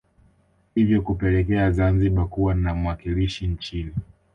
Hivyo kupelekea Zanzibar kuwa na mwakilishi nchini